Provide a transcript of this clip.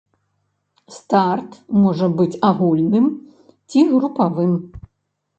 Старт можа быць агульным ці групавым.